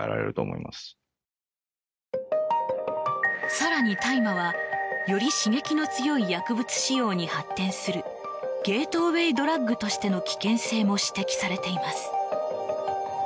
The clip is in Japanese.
更に大麻は、より刺激の強い薬物使用に発展するゲートウェイドラッグとしての危険性も指摘されています。